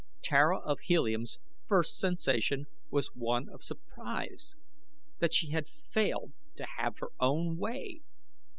Tara of Helium's first sensation was one of surprise that she had failed to have her own way.